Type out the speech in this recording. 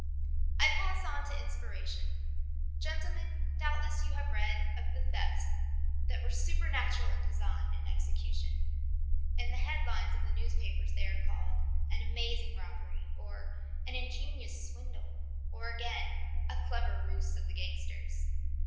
"I pass on to inspiration. Gentlemen, doubtless you have had to read of thefts that were supernatural in design and execution. In the headlines of the newspapers they are called 'An Amazing Robbery,' or 'An Ingenious Swindle,' or again 'A Clever Ruse of the Gangsters.'